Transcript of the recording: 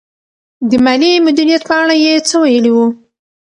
د مالي مدیریت په اړه یې څه ویلي وو؟